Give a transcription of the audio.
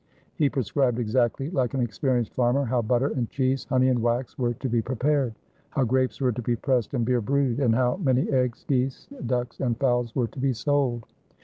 He pre scribed exactly, like an experienced farmer, how butter and cheese, honey and wax, were to be prepared, how grapes were to be pressed and beer brewed, and how many eggs, geese, ducks, and fowls were to be sold.